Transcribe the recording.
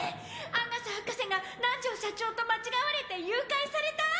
阿笠博士が南條社長と間違われて誘拐された！？